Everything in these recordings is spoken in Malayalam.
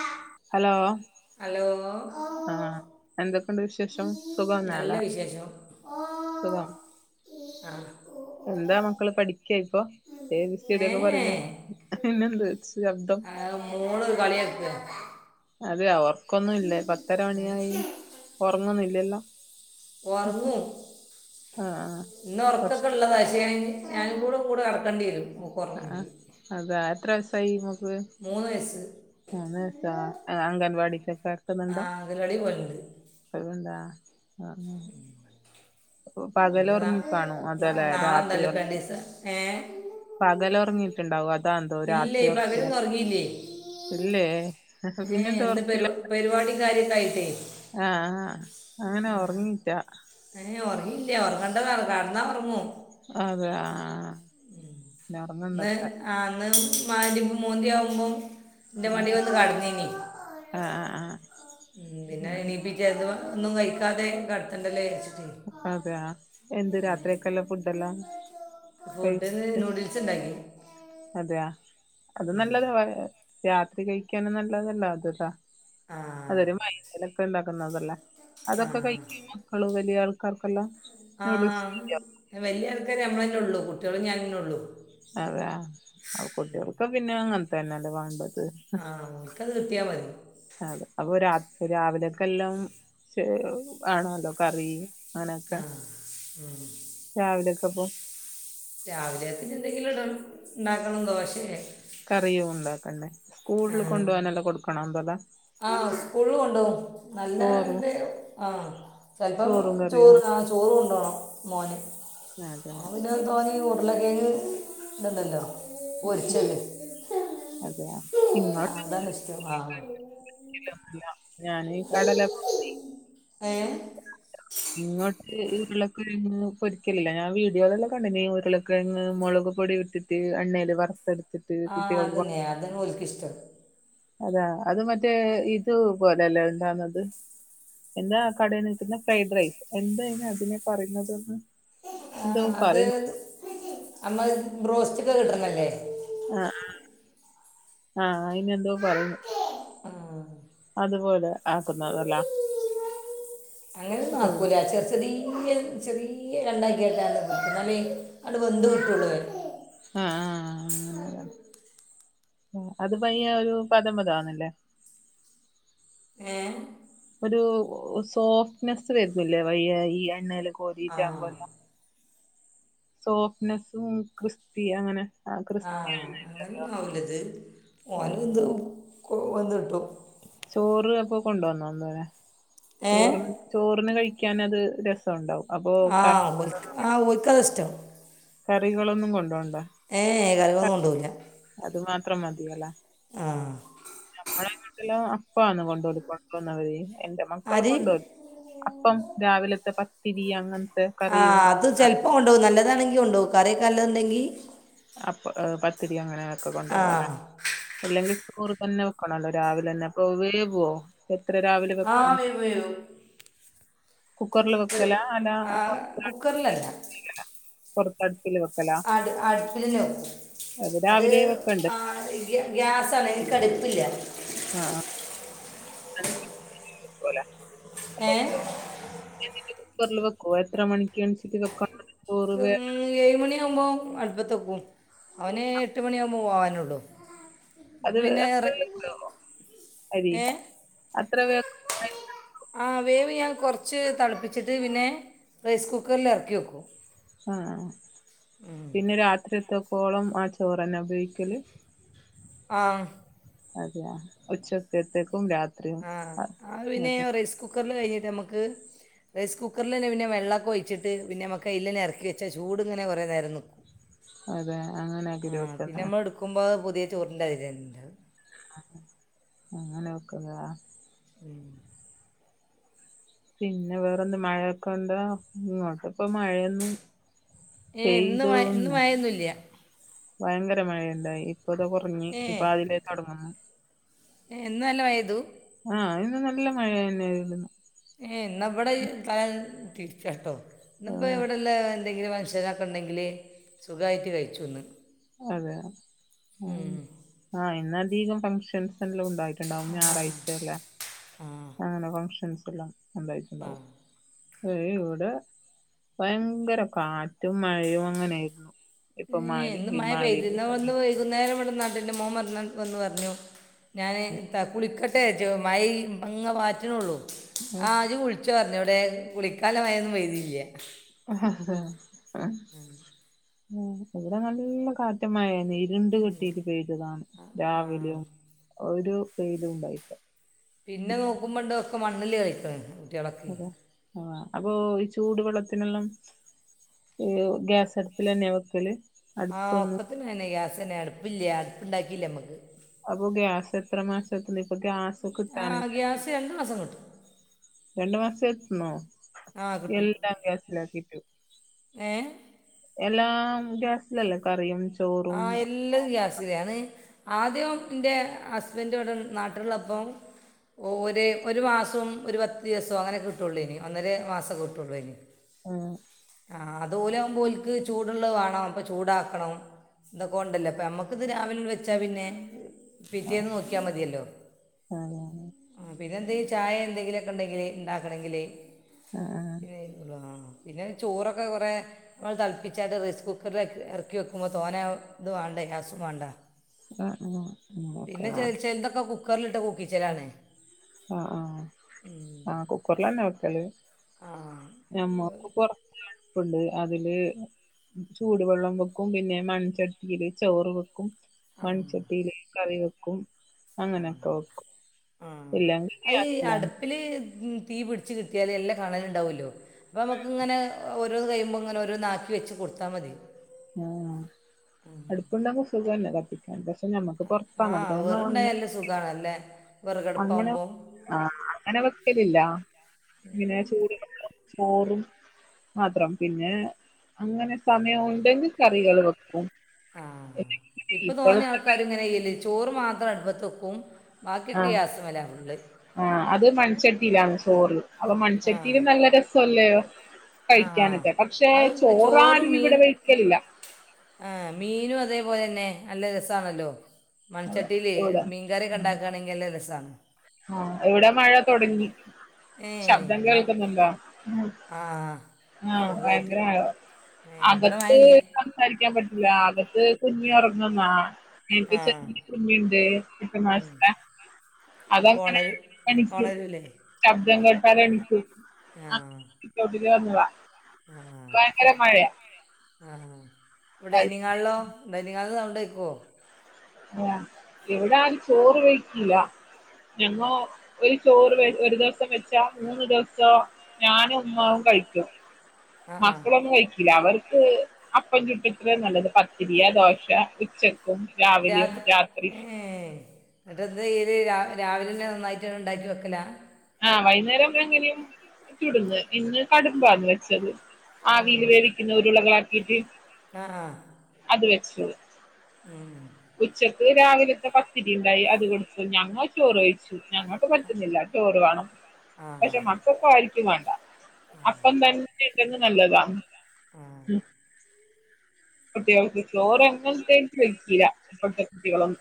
ആഹ് ഹലോ. ആഹ് എന്തൊക്കെയണ്ട് ഈ വിശേഷം സുഖംന്നാല. നല്ല സുഖം. അഹ് എന്താ മക്കള് പഠിക്ക ഇപ്പൊ എ ബി സിയുടൊക്കെ പറയുന്ന പിന്നെ എന്ത്. ശ്ലബ്ദം ആ, മോള് കളിയക്ക്. അതെ ഒർക്കൊന്നുംല്ലേ പത്തര മണിയായി ഉറങ്ങൊന്നുംല്ലല്ലോ. ഉറങ്ങു ആഹ് ഇന്ന് കൊർച്ച് ഉറക്കൊക്കെ ഉള്ളതശ കഞ്. ഞാനും കൂടെ കൂടെ കടക്കേണ്ടി വരും. ആഹ് ഉറങ്ങണമെങ്കിൽ അതാ എത്ര വയസായി മോക്ക്. മൂന്ന് വയസ്സ് മൂന്ന്അസാ അംഗൻവാടക്ക് കൊക്കെ ആ എക്കുന്നുണ്ടോ. അങ്കലവാടി പോലുണ്ട് അതുന്താ. ആഹ് ആപ്പൊ പകല ഇനിയിപ്പോ നാ- ഉറങ്ങിക്കണോ അതല്ല രാത്രി ഉറക്ക. ഏഹ് പകല ഉറങ്ങിയിട്ടുണ്ടാവും അതാന്തോ ഇല്ലേ രാത്രി ഉറക്കില്ല. പകലും ഉറങ്ങിയില്ലേ ഇല്ലേ പിന്നെ എന്തോ. പ പരിപാടി കാര്യക്കായിട്ടേ. ആഹ് ആഹ് അങ്ങനെ ഉറങ്ങിറ്റാ. ഏയ് ഉറങ്ങില്ലേ ഉറങ്ങേണ്ടറ കടന്നാ ഉറങ്ങും. അതെ ആഹ് ആഹ് ഇന്ന് ആന്ന് മരി മൂന്തിയാവുമ്പോം. എന്റെ ആഹ് മടി വന്ന് കടന്നിനി ആഹ് ആഹ് ഉം പിന്നെ. അങ്ങനെ പിറ്റേന്ന്അത് ഒന്നും കഴിക്കാതെ കിടത്തണ്ടല്ലേ കയച്ചിട്ട്. അതെയ എന്ത് രാത്രിയൊക്കെല്ല ഫുഡ് എല്ലാം. ഫുഡ്ന്ന് നൂഡിൽസ് ഉണ്ടാക്കി. അതെയ അത് ഉം. നല്ലതാ രാത്രി കഴിക്കാനും നല്ലതല്ലോ അത്താവശ്യം ആ അതൊരു മൈ ധലൊക്കെ ഉണ്ടാക്കുന്നതല്ല ആ അതൊക്കെ കഴക്കും മക്കള് വലിയ ആൾക്കാർക്കെല്ലാം. നൂഡിൽസ് ആഹ് വലിയ ആൾക്കാര് നമ്മളെന്നെ ഉള്ളൂ കുട്ടികള ഞാാനെ ഉള്ളു. അതെ ആഹ് കുട്ടികൾക്ക് പിന്നെ അങ്ങനത്ത തന്നെല്ലേ വേണ്ടത്. ആഹ് ഓർക്കത് കിട്ടിയാൽ മതി. അതെ അപ്പൊത് രാവിലെക്കെ എല്ലാം ആണല്ലോ കറി ആ അങ്ങനെയൊക്കെ രാവിലൊക്കെ പോ രാവിലെ ത്തിന് എന്തെങ്കിലും ഇട ഉണ്ടാക്കണം ദോശയേ. കറിയും ഉണ്ടാക്കണ്ടേ. കൂടുത കൊപോകാനല്ല കൊടുക്കണം. അന്തത ആഹ് സ്കൂൾ കൊണ്ടാവും നല്ല ചോറും ആഹ് ചിലപ്പം ചോറും കറിയും ചോറ് ആഹ് ചോറ് കൊണ്ടോണം. മോന് അതെ ആഹ് പിന്നെ തോന് ഉരുള കേഴങ്ങ് ഇണ്ടല്ലോ. അതെയ. ആഹ് അതന്ന ഇഷ്ടം ആഹ് ഇല്ലല്ല ഞാനീ കടല. ഏ [inaudible] ഇങ്ങോട്ട് ഉരുളക്കിഴങ്ങ് പൊരിക്കലില്ല ഞാൻ വീഡിയോയിലെല്ലാം കണ്ടിന ഉരുളക്കിഴങ്ങ് മുളക് പൊടിട്ടിട്ട് ത്ത്എണ്ണയിൽ വറുത്തെടു ആഹ്അതന്നെ അതന് ഒലക്ക് ഇഷ്ടം അതാ അത് മറ്റേ ഇത് പോലല്ലേ ഉണ്ടാവകുന്നത് എന്താ കടയിൽ നിക്കുന്ന ഫ്രൈഡ് റൈസ് എന്തായിന് അതിനെ പറയുന്നതന്ന് ആ അത് അമ്മ ബോസ്റ്റക്കെ കിട്ടുന്നല്ലേ ആ ആഹ അയിന് ന്തോ പറയുന്നു ആ അതുപോലെ ആക്കുന്നതല്ല എവിടെ നാക്കൂല ചെറുച്ചടി ന്ന് ചെറിയ രണ്ടാക്ക കേട്ടാ നിൽക്കുന്നത്മേ അണ്ട് വെന്ത് കിട്ടുകുള്ളൂ ആ ആ അങ്ങനെ അത് പയ്യ ഒരു പതു പത മ്പത് ആന്നല്ലേ ഏ ഒരു സോഫ്റ്റ്നെസ്സ് വരുന്നില്ലേ വയ്യ ഈ എണ്ണൽ ആ കോരിറ്റാകുമ്പോല്ല സോഫ്റ്റ്നെസ്സും ക്രിസ്പി അങ്ങനെ ആ ക്രിസ്പി ആഹ് എണ്ണയില്ലല്ലോ അങ്ങനെന്നാവില്ലത് ആ ഓന് എന്തൊ കൊന്ന് വന്ന് ഇട്ടു ചോറ് അപ്പൊ കൊണ്ട വന്നോ അന്നനെ ഏ ചോറിന് ചോറിന് കഴിക്കാൻ അത് രസുണ്ടാവും ആഹ് ആഹ് ഓൽക്ക താ ഇഷ്ടം കറികളൊന്നും കൊണ്ടോണ്ട ഏ കറികളൊന്നും കൊണ്ടു പോകുല്ല അത് മാത്രം മതിയല്ല ആഹ് നമ്മളെ നാട്ടില് അപ്പന്ന് കൊണ്ട്‌ വരന്നത് എൻന്റെ മക്കള് ആര് കൊണ്ട്‌ വരും അപ്പം രാവിലത്തെ പത്തിരി അങ്ങനത്തെ കറിയും ആഅത് ചെലപ്പോം കൊണ്ടോ നല്ലതാണെങ്കി കൊണ്ട് പോം കറി ഒക്കെ നല്ലതു ഉണ്ടെങ്കിൽ അപ്പ പത്തിരി അങ്ങനെക്കെ ആ കൊണ്ടുപോവല്ലേ അല്ലെങ്കിൽ ചോറ് തന്നെ വെക്കണല്ലോ രാവിലെ തന്നെ അപ്പൊ പോവേ പോവോഎത്ര രാവിലെ വെക്കണം വേയോ കുക്കറിൽ വെക്കല അല്ല ആ കുക്കറിലല്ല പുറത്തടുപ്പില് വെക്ക അടു അടുപ്പിലിന്നാ വെക്കും അത് രാവിലെ വെക്കണ്ട് ആ ഗ്യാസാ ണെ എനിക്ക് അടുപ്പില്ല ആഹ [unintelligible] ഏ എന്നിട്ട് കുക്കറിൽ വെക്കുവോ എത്ര മണിക്ക് എണിച്ചിട്ട് വെക്ക ണം ക്ക് മം ഏഴ് മണിയാമ്പോൾ അടുപ്പത്ത് വക്കും അവന് എട്ട് മണിയാകുമ്പോ പോകാനുള്ളു അപ്പ അത് പിന്നെ അത്ര റെ വേവോ അരി ഏ അത്ര വേ ആ വേവ് ഞാൻ കുറച്ച് തിളപ്പിച്ചിട്ട് പിന്നെ റൈസ് കുക്കറിൽ ഇറക്കി വയ്ക്കും ആഹ് ആ പിന്നെ രാത്രി എത്തക്കോളം ആ ചോറ്ന്നെ ഉപയോഗിക്കല് ആഹ് അതെയ ഉച്ചക്കത്തേക്കും രാത്രി ആഹ് ആ പിന്നെ റൈസ് കുക്കറിൽ കഴിഞ്ഞിട്ട് നമുക്ക് റൈസ് കുക്കറിൽ തന്നെ പിന്നെ വെള്ളൊക്കെ ഒഴിച്ചിട്ട് പിന്നെ നമ്മക്ക് അൽ ഇറക്കി വച്ചാ ചൂട് ഇങ്ങനെ കുറേ നേരം നിക്കും ഉ [unintelligible] ആ പിന്നെ നമ്മൾ എടുക്കുമ്പോ പുതിയ ചോറിന്റെ അരി [unintelligible] അങ്ങനെ വെക്കുന്നതാ ഉം പിന്നെ വേറെന്ത് മഴയൊക്കെണ്ട ഇങ്ങോട്ട് ഇപ്പ മഴയൊന്നും ഏഹ് ഇന്ന് ഇന്ന് പെയ്തോന്ന് വയന്നുംല്ല ഭയങ്കര മഴയുണ്ടായി ഇപ്പ ഇത കുറഞ്ഞ് ഇപ്പൊ അതിലേ തുടങ്ങുന്നു എന്ന നല്ല വയതു ആഹ ഇന്ന് നല്ല മഴ തന്നെയായിരുന്നു ഇന്ന ഇവിടെ തിരിച്ച കേട്ടോ ഇന്നപ്പോ ആഹ് ഇവിടെല്ല എന്തെങ്കിലും മനുഷ്യന ഉണ്ടെങ്കിൽ സുഖമായിട്ട് കഴിച്ചുന്ന് അതെയ ആ എന്നന്ന അധികം ഫങ്ഷൻസ് ഉണ്ടായിട്ടുണ്ടാവും ഞായറാഴ്ച അല്ലെ ആ അങ്ങനെ ഫഷൻസ്ല്ലാം ആ എന്തായിട്ടുണ്ടാവും ആ ഇവിടെ ഭയങ്കര കാറ്റും മഴയും അങ്ങനെയായിരുന്നു ഇപ്പൊ ഏ മാല് മഴ പെയ്തിുന്ന വന്ന് വൈകുന്നേരം ഇവിടെ നാടിിന്റെ മോൻ മറിഞ്ഞാ വന്ന് പറഞ്ഞു ഞാൻ കുളിക്കട്ടെ മൈ മങ്ങ വാറ്റിനേ ഉള്ളൂ ആഹ് അത് വിളിച്ച പറഞ്ഞ ഇവിടെ കുളിക്കാലമായൊന്നും പെയുതിയില്ല ഹ ഹ ഹ ഇവിടെ നല്ല കാറ്റമായ രണ്ട് കെട്ടിയിട്ട് പെയ്തതാ ആ, ആ, രാവിലെ ഒരു വെയിലും ഉണ്ടായിട്ട്ല പിന്നെ നോക്കുമ്പോണ്ടണ്ട് ഒക്കെ മണ്ണിൽ കഴിക്കണം അതെ ആഹ അപ്പൊ ഈ ചൂടു വെള്ളത്തിനെല്ലാം ഗ്യാസ അടുപ്പിൽന്നെ വെക്കല് ആഹ് അടുപ്പൊന്നും ഒക്കത്തിന്ന്നെ ഗ്യാസ് തന്നെ അടുപ്പില്ല അടുപ്പുണ്ടാക്കില്ലേ നമ്മുക്ക് അപ്പൊ ഗ്യാസ് എത്ര മാസത്തന്ന് ഇപ്പൊ ഗ്യാസ് കിട്ടാനെ രണ്ടു മാസം കിട്ടും രണ്ടു മാസം എത്തണോ ആ കിട്ടും എല്ലാം ഗ്യാസിലാക്കിട്ടു ഏ എല്ലാം ഗ്യാസിലല്ലേ കറിയും ചോറും ആഹ എല്ലാം ഗ്യാസിലയാണ് ആദ്യം എന്റെ ഹസ്ബൻഡവിടെ നാട്ടിലുള്ളപ്പം ഓ ഒേ ഒരു മാസവും ഒരു പത്ത് ദിവസവും അങ്ങനെ കിട്ടുകയുള്ളു ഇനി ഒന്നര മാസമക്കെ കിട്ടുകയുള്ളൂ ഇനി ആഹ ആ അതുലകുമ്പോലക്ക് ചൂടുള്ളത് വേണം അപ്പം ചൂടാക്കണം ഇന്തൊക്കെ ഉണ്ടല്ലോ അപ്പൊ നമ്മക്ക ഇത് രാവിലെ വെച്ചാ പിന്നെ പിറ്റേന്ന് നോക്കിയാ മതിയല്ലോ അതെയതെ ആ പിന്നെ എന്തെങ്കിലും ചായ എന്തെങ്കിലുമൊക്കെ ഉണ്ടെങ്കിൽ ഉണ്ടാക്കണമെങ്കിൽ ആഹ് പിന്നെ ഉള്ളൂ ആ പിന്നെ ചോറൊക്കെ കുറെേ നമ്മൾ തളപ്പിച്ചായിട്ട് റൈസ് കുക്കറില ഇറക്കി വെക്കുമ്പോൾ സോന ഇത് വേണ്ട ഗ്യാസും വേണ്ട ആഹ് ആഹ് അങ്ങനെ പിന്നെ വെക്കുലേ ചച്ച എന്തൊക്കെ കു കുക്കറിലിട്ട് കുക്കിച്ചിലാണേ ആ ആ ആ കുക്കറിലാന്നെ അടുക്കല് ആ നമ്മക്ക് പറത്ത എഴപ്പുണ്ട് അതില് ചൂടുവെള്ളം വെക്കും പിന്നെ മൺചട്ടിയില് ചോറ് വെക്കും ആ മൺചട്ടിയില കറി വെക്കും അങ്ങനെയൊക്കെ വെക്കും ആഹ ഇല്ലെങ്കിൽ അഈ ഗ്യാസിലാണ് അടുപ്പില് തീ പിടിച്ച് കിട്ടിയാല് എല്ലാം കാണാന ഉണ്ടാവല്ലോ അപ്പൾ നമുക്കിങ്ങനെഓരോ കഴിയുമ്പോൾങ്ങനെ ഓരോ ആാക്കി വെച്ച് കൊടുത്താൽ മതി ആഹ ഉം. അടുപ്പുണ്ടങ്കോ സുഖന്നെ കത്തിക്കാൻ പക്ഷെ ഞമ്മക്ക് പുറത്താന്നടുക്ക അങ്ങ സുഖണല്ലേ അങ്ങനെ ആ അങ്ങനെ വെക്കലില്ല ഇങ്ങനെ ചൂടു ചോറും മാത്രം പിന്നെ അങ്ങനെ സമയം ഉണ്ടെങ്കിൽ കറികൾ വെക്കും ആഹ അല്ലെങ്കിൽ പിന്നെ ഇപ്പൊ തോന്യ ഇപ്പോഴത്തെ ആൾക്കാർ ഇങ്ങനെ്യല്ലേ ചോറ് മാത്രം അടുപ്പത്ത് വക്കും ബാഗ്യക്യാസമലാ ഉണ്ട് ആഹ അത് മൺചട്ടിയിലാാണ് ചോറ് അപ്പൊ മൺചട്ടിൽ ആ നല്ല രസല്ലയോ ആഹ് കഴിക്കാനക്കെ പക്ഷെ ചോറാരും ഇവിടെ കഴിക്കലില്ല ആഹ മീനും അതേപോലെ തന്നെ നല്ല രസമാണല്ലോ അതെ മൺചട്ടീലെ ഇവിടെ മീൻകറിയൊക്കെണ്ടാക്കാണെങ്കില് നല്ല രസാ ആഹ് ഇവിടെ മഴ തൊടങ്ങി ഏഹ് ശബ്ദം എന്നാ കേൾക്കുന്നുണ്ടോ ഉം ആഹ് ആഹ് ചെറുതായിട്ട് ഭയങ്കര മഴ ഏഹ് ഇവിടെ അകത്ത് മഴയില്ല സംസാരിക്കാൻ പറ്റൂല്ല അകത്ത് കുഞ്ഞി ഒറങ്ങുന്നാ ആഹ് [unintelligible] കുഞ്ഞിയിണ്ട് [unintelligible] ഉം മാസത്തെ അപ്പോൾ അതങ്ങനെ ഉണരും എണിക്കും ഉണരൂല്ലേ ശബ്ദം കേട്ടാൽ എണിക്കും അ ആഹ് സിറ്റൗട്ടില് വന്നതാ ആഹ് ഭയങ്കര മഴ ആഹ് [unintelligible] അത് ഡൈനിങ് ഹാളിലോ ഡൈനിഹാളില് സൗണ്ട് കേക്കുവോ ആഹ് ഇവിടെ ആരും ചോറ് വെയ്ക്കൂല്ല ഞങ്ങോ ഒരു ചോറ് വെ ഒരു ദെവസം വെച്ചാ മൂന്ന് ദെവസോ ഞാനും ഉമ്മാവും കഴിക്കും ആഹ് ആഹ് മക്കളൊന്നും കഴിക്കൂല്ല അവർക്ക് അപ്പം ചുട്ടി ഇത്ര നല്ലത് പത്തിരിയാ ദോശയാ ഉച്ചക്ക് രാത്ത് ഏഹ് ഏഹ് എന്ന്ട്ടെന്താ ചെയ്യല് രാ രാവിലെന്നെ നന്നായിട്ട് ഇണ്ടാക്കി വെക്കലാ ആഹ് വൈന്നേരം എങ്ങനും ചുട്ന്ന് ഇന്ന് കടുമ്പാന്ന് വെച്ചത് ഉം ആവില് വേവിക്കുന്ന ഉരുളകളാക്കിട്ട് ആ ആ അത് വെച്ചു ഉം ഉച്ചക്ക് രാവിലത്തെ പത്തിരി ഇണ്ടായി അത് കൊടുത്തു ഞങ്ങ ചോറ് കഴിച്ചു ഞങ്ങക്ക് പറ്റുന്നില്ല ചോറ് വാണം ആ ആ പക്ഷെ മക്ക് മക്കക്ക് ആരിക്കും വേണ്ട ആ അപ്പം തന്നെ ഇണ്ടെങ്ക് നല്ലതാ ഉം ആ കുട്ടികൾക്ക് ചോറ് എങ്ങ [unintelligible] കയിക്കൂല്ല ഇപ്പൾത്തെ കുട്ടികളൊന്നും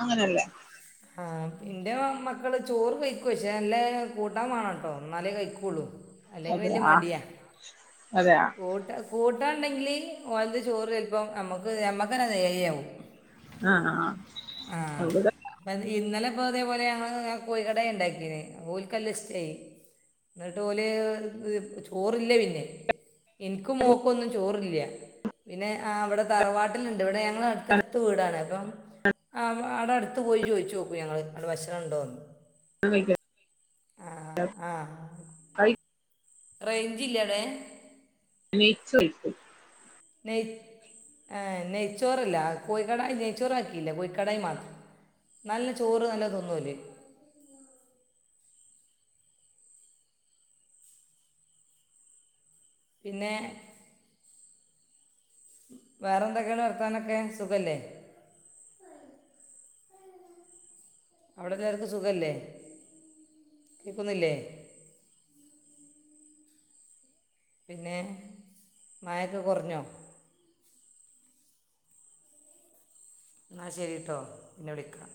അങ്ങനല്ലേ ആഹ് പ് ഇന്റെ മക്കള് ചോറ് കയിക്കു പക്ഷെ നല്ലേ കൂട്ടാൻ വേണം ട്ടോ എന്നാലേ കഴിക്കുള്ളൂ അല്ലെങ്കിൽ അതെയാ അതെയാ കൂട്ടാ കൂട്ട ഇണ്ടെങ്കില് ഓലത് ചോറ് ചെലപ്പം നമ്മക്ക് ഞമ്മക്കെന്നെ [unintelligible] ആഹ് ആഹ് ആഹ് ഇവിടെ അപ്പ ഇന്നലെ ഇപ്പ ഇതേപോലെ ഞങ്ങള് കോഴികടായി ഇണ്ടാക്കീന് ഓൽക്ക് നല്ല ഇഷ്ട്ടായി ഇന്നിട്ട് ഓല് ഏഹ് ചോറില്ല പിന്നെ എനിക്കും മോക്കൊന്നും ചോറില്ല പിന്നെ ആഹ് ഇവിടെ തറവാട്ടില്ണ്ട് ഇവിടെ ഞങ്ങ ങ്ങളെ അടുത്തടുത്ത് വീടാണ് അപ്പം അ ആഹ് അവ് ആടെ അടുത്ത് പോയി ചോദിച്ചു നോക്കും ഞങ്ങള് ആടെ ഭക്ഷണണ്ടോന്ന് [unintelligible] റെയ്ഞ്ച് ഇല്ല ല്ലേ നെയ്ച്ചോയിക്കും നെയ് ആഹ് നെയ്ച്ചോറല്ല കോഴിക്കടായി നെയ്ച്ചോറാക്കിയില്ല കോഴിക്കടായി മാത്രം നല്ല ചോറ് നല്ലോ തിന്നു ഓല് പിന്നെ വേറെ എന്തൊക്കെയാണ് വർത്താനൊക്കെ സുഖല്ലേ? അവിടെ കാർക്കും സുഖല്ലേ കേക്കുന്നില്ലേ? പിന്നെ മയക്കെ കൊറഞ്ഞോ? ഇന്നാ ശരി ട്ടോ പിന്നെ വിളിക്കാ